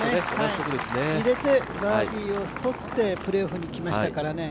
入れてバーディーをとってプレーオフに来ましたからね。